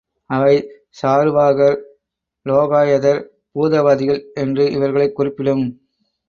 அவை சாருவாகர், லோகாயதர், பூதவாதிகள் என்று இவர்களைக் குறிப்பிடும்.